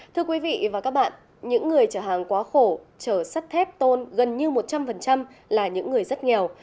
thưa quý vị và các bạn những người chở hàng quá khổ chở sắt thép tôn gần như một trăm linh là những người rất nghèo